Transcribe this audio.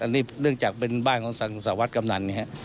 อันนี้เนื่องจากเป็นบ้านสาวรสกำหนัง